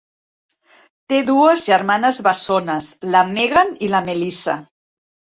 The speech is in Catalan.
Té dues germanes bessones, la Megan i la Melissa.